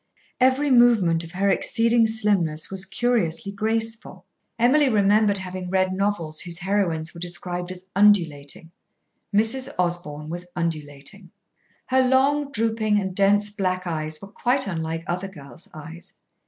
Every movement of her exceeding slimness was curiously graceful. Emily remembered having read novels whose heroines were described as "undulating." Mrs. Osborn was undulating. Her long, drooping, and dense black eyes were quite unlike other girls' eyes.